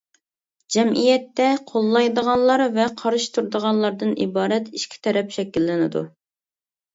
جەمئىيەتتە قوللايدىغانلار ۋە قارشى تۇرىدىغانلاردىن ئىبارەت ئىككى تەرەپ شەكىللىنىدۇ.